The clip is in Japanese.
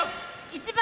１番